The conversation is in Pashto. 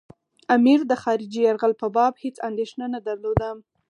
امیر د خارجي یرغل په باب هېڅ اندېښنه نه درلوده.